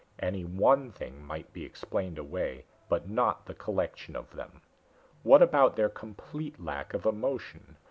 Any one thing might be explained away, but not the collection of them. What about their complete lack of emotion?